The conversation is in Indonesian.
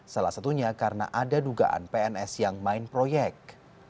salah satunya karena ada dugaan pns yang main proyek